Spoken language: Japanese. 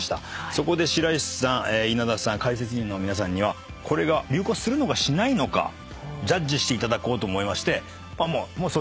そこで白石さん稲田さん解説員の皆さんにはこれが流行するのかしないのかジャッジしていただこうと思いまして。